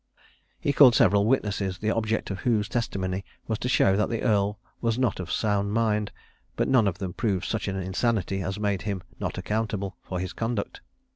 He called several witnesses, the object of whose testimony was to show that the earl was not of sound mind, but none of them proved such an insanity as made him not accountable for his conduct.